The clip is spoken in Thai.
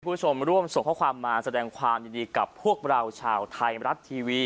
คุณผู้ชมร่วมส่งข้อความมาแสดงความยินดีกับพวกเราชาวไทยรัฐทีวี